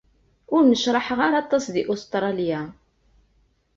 Ur necraḥeɣ ara aṭas di Ustṛalya.